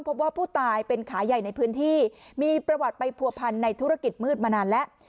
พบว่าผู้ตายเป็นขาใหญ่ในพื้นที่มีประวัติไปผัวพันในธุรกิจมืดมานานแล้ว